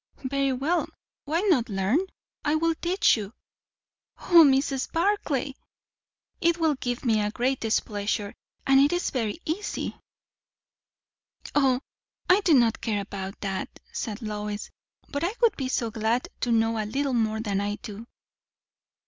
"Very well, why not learn? I will teach you." "O, Mrs. Barclay!" "It will give me the greatest pleasure. And it is very easy." "O, I do not care about that," said Lois; "but I would be so glad to know a little more than I do."